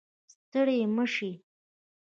ستړی مه شې